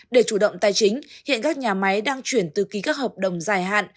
để chủ động tài chính hiện các nhà máy đang chuyển từ ký các hợp đồng dài hạn